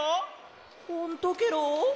ほんとケロ？